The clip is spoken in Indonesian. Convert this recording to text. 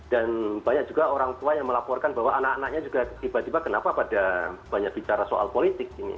dan banyak juga orang tua yang melaporkan bahwa anak anaknya juga tiba tiba kenapa pada banyak bicara soal politik ini